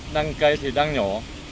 đang cây thì đang nhỏ